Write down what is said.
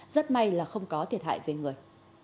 rất may là không có thiệt hại về người